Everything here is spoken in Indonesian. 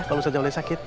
kalau ustazah aulia sakit